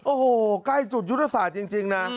โอ้โหใกล้จุดยุทธศาสตร์จริงนะ